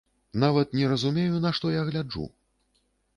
Нават не разумею, на што я гляджу.